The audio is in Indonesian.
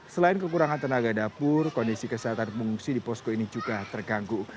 selain kekurangan tenaga dapur kondisi kesehatan pengungsi di posko ini juga terganggu